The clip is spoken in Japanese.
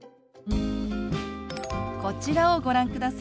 こちらをご覧ください。